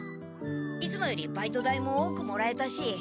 いつもよりバイト代も多くもらえたし。